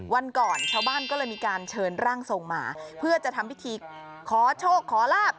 วันก่อนชาวบ้านก็เลยมีการเชิญร่างทรงมาเพื่อจะทำพิธีขอโชคขอลาบ